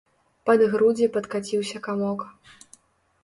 Пад грудзі падкаціўся камок.